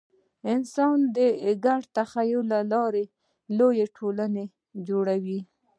انسانان د ګډ تخیل له لارې لویې ټولنې جوړوي.